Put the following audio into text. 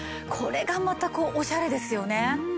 これがまたオシャレですよね。